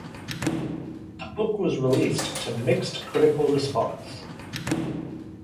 The book was released to mixed critical response.